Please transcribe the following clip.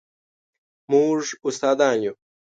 موږ استادان یو